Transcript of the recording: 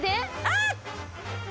あっ！